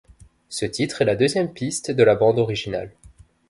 Ce titre est la deuxième piste de la bande originale.